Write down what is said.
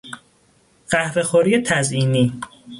قهوه خوری تزئینی